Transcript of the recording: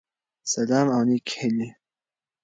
سلام او نيکي هیلی